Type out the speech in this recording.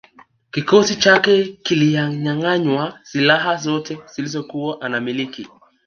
Kikosi chake kilianyanganywa silaha zote alizokuwa anamiliki